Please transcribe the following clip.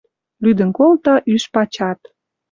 Лӱдӹн колта ӱш пачат —